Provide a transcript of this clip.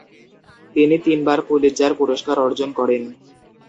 তিনি তিনবার পুলিৎজার পুরস্কার অর্জন করেন।